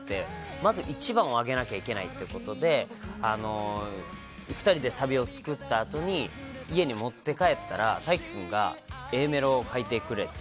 まず１番を上げなきゃいけないということで２人でサビを作ったあとに家に持って帰ったら大輝君が、Ａメロを書いてくれて。